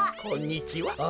こんにちは。